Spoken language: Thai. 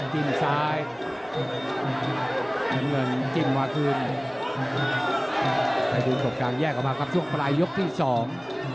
จิ้มซ้ายน้ำเงินจิ้มมาคืนไปดูประสบการณ์แยกออกมาครับช่วงปลายยกที่สอง